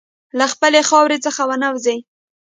له خپلې خاورې څخه ونه وځې.